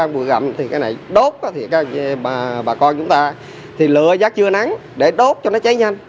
qua buổi gặm thì cái này đốt thì bà con chúng ta thì lửa giác chưa nắng để đốt cho nó cháy nhanh